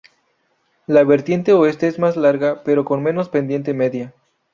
La vertiente oeste es más larga, pero con menos pendiente media.